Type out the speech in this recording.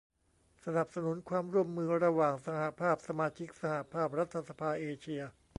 สนับสนุนความร่วมมือระหว่างสหภาพสมาชิกสหภาพรัฐสภาเอเชีย